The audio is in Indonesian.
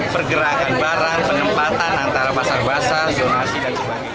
pergerakan barang penempatan antara pasar basah zonasi dan sebagainya